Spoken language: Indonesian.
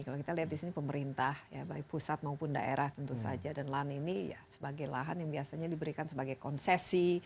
kalau kita lihat di sini pemerintah ya baik pusat maupun daerah tentu saja dan lahan ini sebagai lahan yang biasanya diberikan sebagai konsesi